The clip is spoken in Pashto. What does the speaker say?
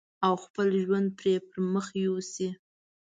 او خپل ژوند پرې پرمخ يوسي.